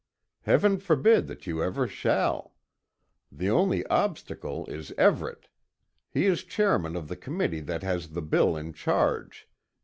Heaven forbid that you ever shall! The only obstacle is Everet. He is chairman of the committee that has the bill in charge.